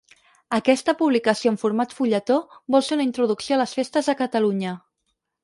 Aquesta publicació en format fulletó, vol ser una introducció a les festes a Catalunya.